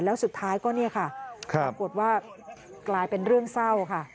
แล้วสุดท้ายก็เนี่ยค่ะปรากฏว่ากลายเป็นเรื่องเศร้าค่ะ